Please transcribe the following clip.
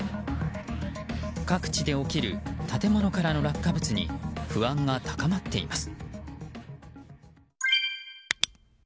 各地で起きる建物からの落下物に不安が高まっています。